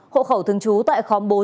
hộ khẩu thường trú tại khóm bốn